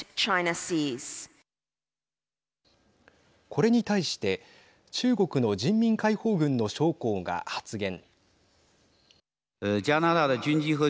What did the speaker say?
これに対して中国の人民解放軍の将校が発言。